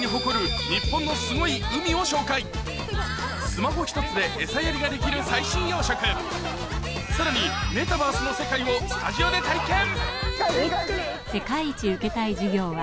スマホひとつで餌やりができる最新養殖さらにメタバースの世界をスタジオで体験